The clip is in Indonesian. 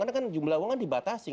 karena kan jumlah uang dibatasi